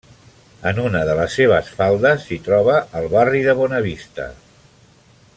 En una de les seves faldes s'hi troba el barri de Bonavista.